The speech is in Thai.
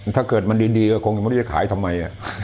ถ้าเกิดมันดีก็คงจะไม่ได้ขายทำไม